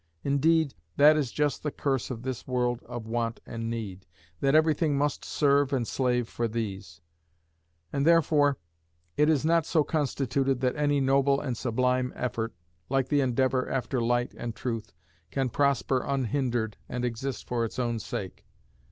Indeed that is just the curse of this world of want and need, that everything must serve and slave for these; and therefore it is not so constituted that any noble and sublime effort, like the endeavour after light and truth, can prosper unhindered and exist for its own sake.